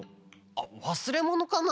あっわすれものかな？